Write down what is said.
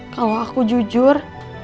kalau aku jujur